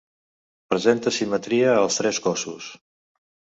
Presenta simetria als tres cossos.